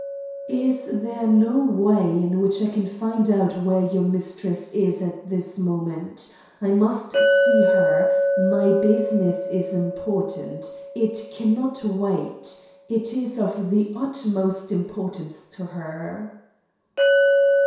"Is there no way in which I can find out where your mistress is at this moment? I must see her. My business is important. It cannot wait. It is of the utmost importance to her."